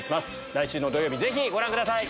来週の土曜日ぜひご覧ください